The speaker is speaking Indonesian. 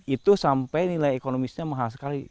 itu sampai nilai ekonomisnya mahal sekali